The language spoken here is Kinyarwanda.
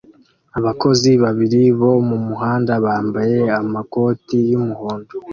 Abakozi babiri bo mumuhanda bambaye amakoti yumuhondo